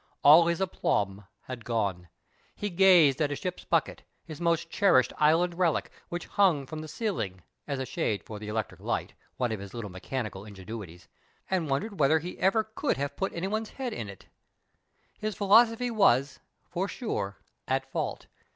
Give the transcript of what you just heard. All his aplomb had gone. lie gazed at a ship's bucket, his most chtrislKd island relic, which hung from the ceiling (as a shade for the electric light — one of his little mechanical ingenuities), and wondered whether he ever could have put anybody's head in it. His 68 PASTICHE AND PREJUDICE philosophy was, for once, at fault.